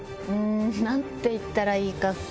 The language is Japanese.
うん何て言ったらいいか。